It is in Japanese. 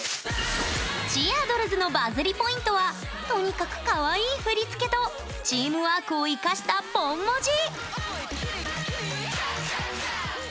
チアドルズのバズりＰＯＩＮＴはとにかくカワイイ振り付けとチームワークをいかしたポン文字。